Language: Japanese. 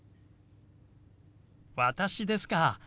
私ですか？